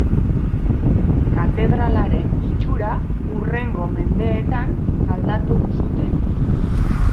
Katedralaren itxura hurrengo mendeetan aldatu zuten.